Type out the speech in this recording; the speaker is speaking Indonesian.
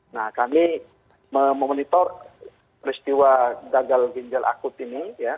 nah kami memonitor peristiwa gagal ginjal akut ini